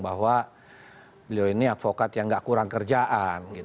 beliau ini advokat yang gak kurang kerjaan gitu ya